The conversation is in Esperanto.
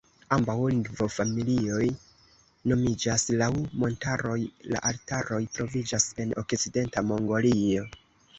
Ambaŭ lingvofamilioj nomiĝas laŭ montaroj; la Altajoj troviĝas en okcidenta Mongolio.